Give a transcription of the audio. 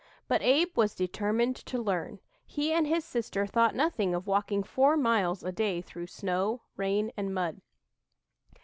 But Abe was determined to learn. He and his sister thought nothing of walking four miles a day through snow, rain and mud.